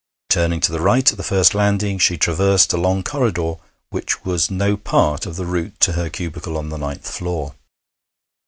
Turning to the right at the first landing, she traversed a long corridor which was no part of the route to her cubicle on the ninth floor.